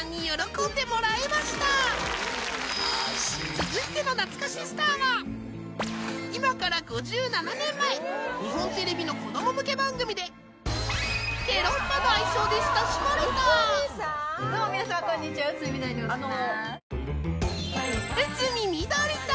続いての懐かしスターは今から５７年前日本テレビの子供向け番組でで親しまれたどうも皆さんこんにちはうつみ宮土理でございます。